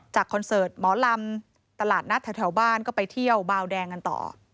คอนเสิร์ตหมอลำตลาดนัดแถวบ้านก็ไปเที่ยวบาวแดงกันต่อ